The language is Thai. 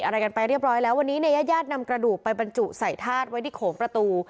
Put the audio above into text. อะไรกันไปเรียบร้อยแล้ววันนี้เนี่ยญาติญาตินำกระดูกไปบรรจุใส่ธาตุไว้ที่โขงประตู